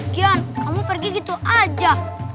gian kamu pergi gitu aja